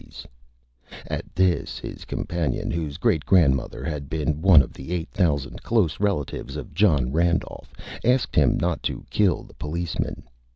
[Illustration: STUDENT] At this, his Companion, whose Great Grandmother had been one of the eight thousand Close Relatives of John Randolph, asked him not to Kill the Policeman.